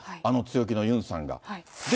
あの強気のユンさんが。